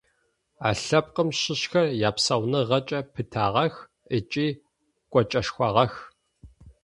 А лъэпкъым щыщхэр япсауныгъэкӏэ пытагъэх ыкӏи кӏочӏэшхуагъэх.